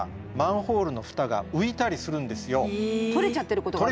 取れちゃってることがある。